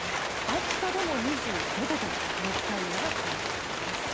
秋田でも２５度と熱帯夜が続きそうです。